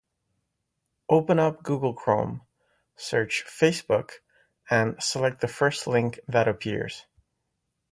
Open up Google Chrome, search FaceBook, and select the first link that appears.